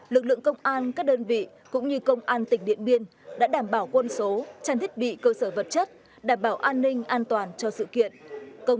lực lượng công an các đơn vị cũng như công an tỉnh điện biên đã đảm bảo quân số tràn thiết bị cơ sở vật chất đảm bảo an ninh an toàn cho sự kiện